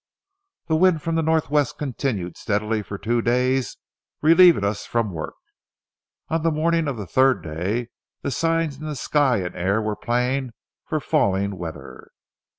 The wind from the northwest continued steadily for two days, relieving us from work. On the morning of the third day the signs in sky and air were plain for falling weather.